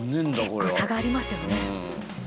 結構差がありますよね。